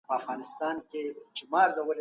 اسلام د بډايانو او فقيرانو ترمنځ پله ده.